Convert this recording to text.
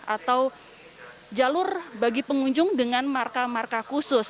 atau jalur bagi pengunjung dengan marka marka khusus